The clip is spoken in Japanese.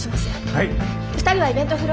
はい！